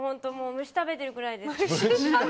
虫食べてるくらいですから。